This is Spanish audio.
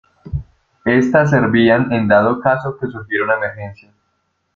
Estas servían en dado caso que surgiera una emergencia.